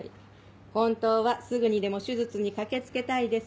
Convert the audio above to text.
「本当はすぐにでも手術に駆け付けたいです。